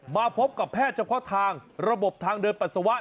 มาพบกับแพทย์เฉพาะทางระบบทางเดินปัสสาวะ